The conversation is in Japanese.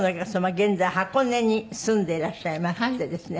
現在箱根に住んでいらっしゃいましてですね